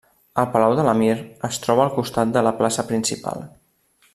El palau de l'emir es troba al costat de la plaça principal.